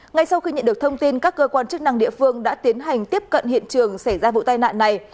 ngay sau khi nhận được thông tin các cơ quan chức năng địa phương đã tiến hành tiếp cận hiện trường xảy ra vụ tai nạn này